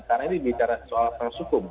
karena ini bicara soal persukung